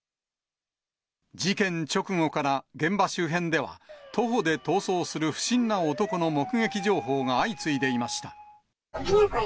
事件直後から現場周辺では、徒歩で逃走する不審な男の目撃情報が相次いでいました。